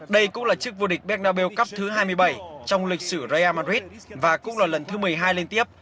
đây cũng là chức vua địch bernabeu cup thứ hai mươi bảy trong lịch sử real madrid và cũng là lần thứ một mươi hai liên tiếp